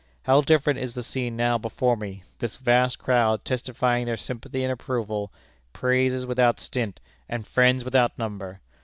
How different is the scene now before me this vast crowd testifying their sympathy and approval, praises without stint, and friends without number!